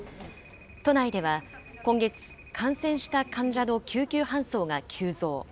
都内では今月、感染した患者の救急搬送が急増。